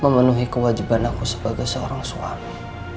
memenuhi kewajiban aku sebagai seorang suami